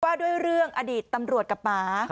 ว่าด้วยเรื่องอดีตตำรวจกับหมา